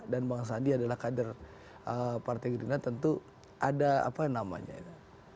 dan bang sandi adalah kader partai gerindra tentu ada apa namanya ya